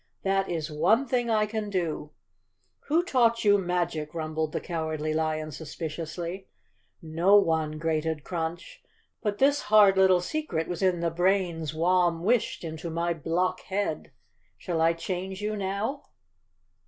"That is one thing I can do." "Who taught you magic?" rumbled the Cowardly lion suspiciously. ace _ Chapter Twenty "No one," grated Crunch, "but this hard little secret was in the brains Warn wished into my block head. Shall I change you now?"